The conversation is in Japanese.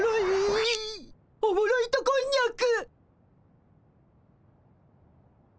おもろ糸こんにゃく。